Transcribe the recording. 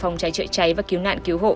phòng cháy chữa cháy và cứu nạn cứu hộ